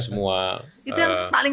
semua itu yang paling